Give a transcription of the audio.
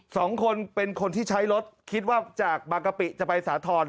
สองคนเป็นคนที่ใช้รถคิดว่าจากบางกะปิจะไปสาธรณ์